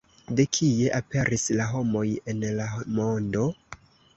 De kie aperis la homoj en la mondo?